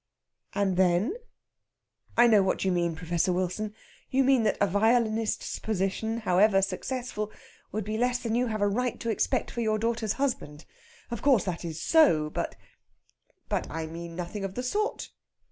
"And then?" "I know what you mean, Professor Wilson. You mean that a violinist's position, however successful, would be less than you have a right to expect for your daughter's husband. Of course that is so, but " "But I mean nothing of the sort."